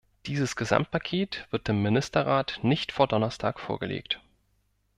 Dieses Gesamtpaket wird dem Ministerrat nicht vor Donnerstag vorgelegt.